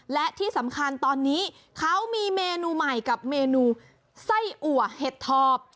และที่สำคัญตอนนี้เขามีเมนูใหม่กับเมนูไส้อัวเห็ดทอบ